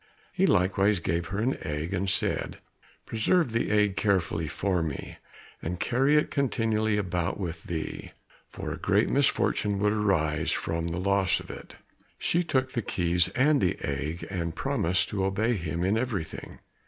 He likewise gave her an egg and said, "Preserve the egg carefully for me, and carry it continually about with thee, for a great misfortune would arise from the loss of it." She took the keys and the egg, and promised to obey him in everything.